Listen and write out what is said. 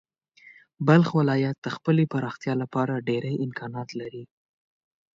بلخ ولایت د خپلې پراختیا لپاره ډېری امکانات لري.